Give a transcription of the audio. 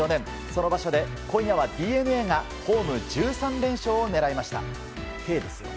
その場所で今夜はＤｅＮＡがホーム１３連勝を狙いました。